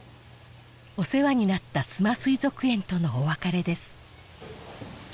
お世話になった須磨水族園とのお別れです